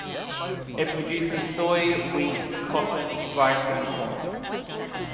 It produces soy, wheat, cotton, rice and corn.